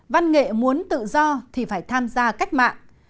văn nghệ muốn tự do thì phải tham gia cách mạng